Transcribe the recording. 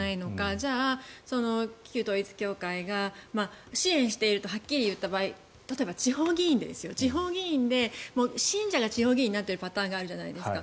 じゃあ、旧統一教会が支援しているとはっきり言った場合例えば、地方議員で信者が地方議員になっているパターンがあるじゃないですか。